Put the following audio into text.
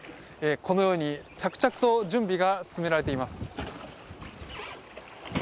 このように着々と準備が進められています。